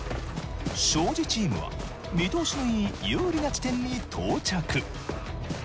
庄司チームは見通しのいい有利な地点に到着。